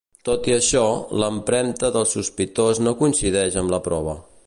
Tot i això, l'empremta del sospitós no coincideix amb la prova.